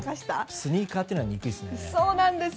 スニーカーというのがにくいですね。